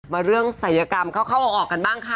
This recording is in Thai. มาเรื่องศัยกรรมเข้าออกกันบ้างค่ะ